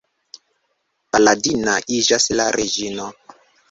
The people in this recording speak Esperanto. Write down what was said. Baladina iĝas la reĝino.